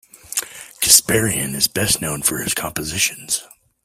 Kasparyan is best known for his compositions.